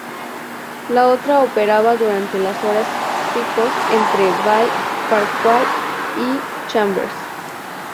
La otra operaba durante las horas picos entre Bay Parkway y Chambers.